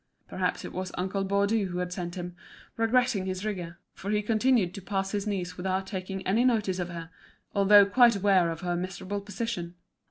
Perhaps it was Uncle Baudu who had sent him, regretting his rigour; for he continued to pass his niece without taking any notice of her, although quite aware of her miserable position.